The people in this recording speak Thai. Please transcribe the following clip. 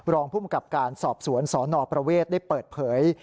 รองภูมิกับการสอบสวนสนประเวทได้เปิดเผย